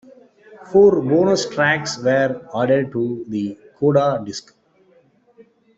Four bonus tracks were added to the "Coda" disc.